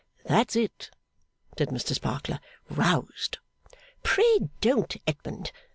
'That's it,' said Mr Sparkler. 'Roused.' 'Pray don't, Edmund!